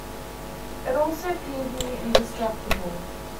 It also appears near indestructible.